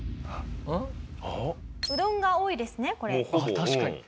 確かに。